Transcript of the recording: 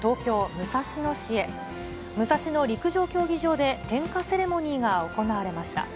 武蔵野陸上競技場で点火セレモニーが行われました。